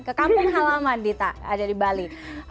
ke kampung halaman dita ada di bali